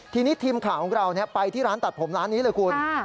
ทีนี้ทีมข่าวของเราไปที่ร้านตัดผมร้านนี้เลยคุณ